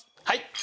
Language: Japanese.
はい。